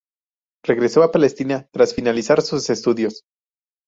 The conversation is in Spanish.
Regresó a Palestina tras finalizar sus estudios.